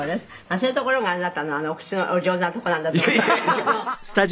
そういうところがあなたのお口のお上手なとこなんだと」ハハハハ！